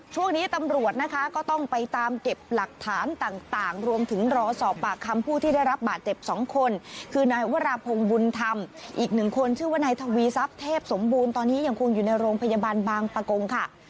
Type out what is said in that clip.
ช่วงนี้ตำรวจนะคะก็ต้องไปตามเก็บหลักฐานต่างรวมถึงรอสอบปากคำผู้ที่ได้รับบาดเจ็บ๒คนคือนายวราพงศ์บุญธรรมอีกหนึ่งคนชื่อว่านายทวีทรัพย์เทพสมบูรณ์ตอนนี้ยังคงอยู่ในโรงพยาบาลบางปะกงค่ะ